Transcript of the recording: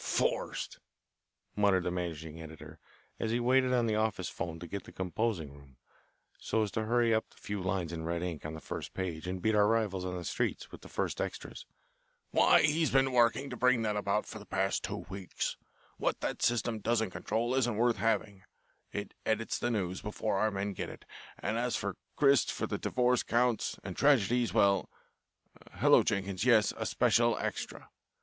"Forced!" muttered the managing editor, as he waited on the office phone to get the composing room, so as to hurry up the few lines in red ink on the first page and beat our rivals on the streets with the first extras. "Why, he's been working to bring that about for the past two weeks. What that System doesn't control isn't worth having it edits the news before our men get it, and as for grist for the divorce courts, and tragedies, well Hello, Jenkins, yes, a special extra.